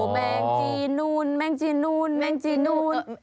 แมงจีนูนแมงจีนูนแมงจีนูน